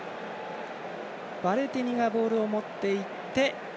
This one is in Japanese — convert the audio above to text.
バレティニがボールを持っていって。